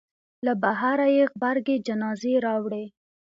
له بهره یې غبرګې جنازې راوړې.